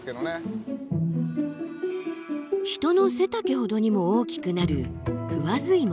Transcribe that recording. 人の背丈ほどにも大きくなるクワズイモ。